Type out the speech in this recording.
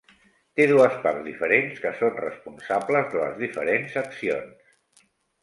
Té dues parts diferents que són responsables de les diferents accions.